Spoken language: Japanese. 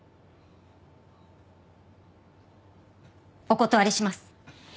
お断りします。